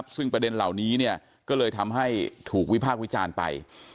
ซึ่งประเด็นเหล่านี้ก็เลยทำให้ถูกวิพากษ์วิจารณ์ไป